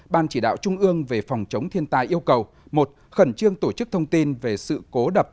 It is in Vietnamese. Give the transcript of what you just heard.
ban chỉ đạo trung ương về phòng chống thiên tai yêu cầu một khẩn trương tổ chức thông tin về sự cố đập